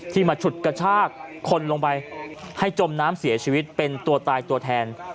มาฉุดกระชากคนลงไปให้จมน้ำเสียชีวิตเป็นตัวตายตัวแทน